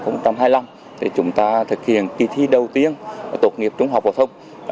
năm hai nghìn hai mươi năm chúng ta thực hiện kỳ thi đầu tiên tốt nghiệp trung học phổ thông